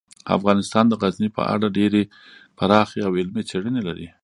افغانستان د غزني په اړه ډیرې پراخې او علمي څېړنې لري.